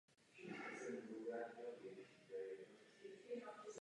Vykládá se jako "otec míru".